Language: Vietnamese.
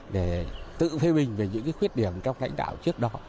để tự phê bình về những khuyết điểm trong lãnh đạo trước đó